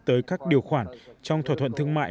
tới các điều khoản trong thỏa thuận thương mại